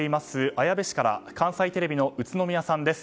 綾部市から関西テレビの宇都宮さんです。